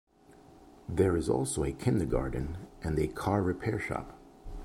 There is also a Kindergarten and a car repair shop.